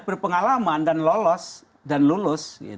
berpengalaman dan lolos dan lulus